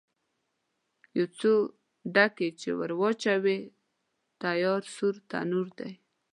یو څو ډکي چې ور واچوې، تیار سور تنور دی.